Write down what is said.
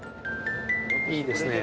いいですね。